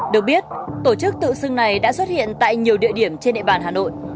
được biết tổ chức tự xưng này đã xuất hiện tại nhiều địa điểm trên địa bàn hà nội